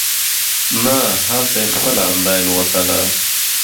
نه هلته یې خپله انلاین وتله.